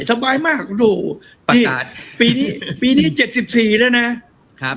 สบายมากปีนี่ปีนี่จติปสี่แล้วนะ